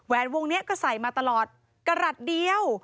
แหวนวงนี้ก็ใส่มาตลอดกระดาษเดียว